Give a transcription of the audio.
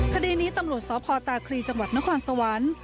คดีนี้ตำรวจสพตาคลีจังหวัดนครสวรรค์